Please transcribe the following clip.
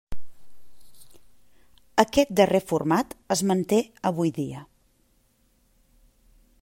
Aquest darrer format es manté avui dia.